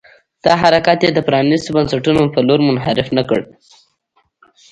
دا حرکت یې د پرانيستو بنسټونو په لور منحرف نه کړ.